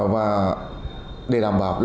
và để đảm bảo